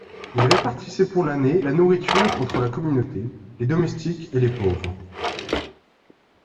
Il répartissait pour l'année la nourriture entre la communauté, les domestiques et les pauvres.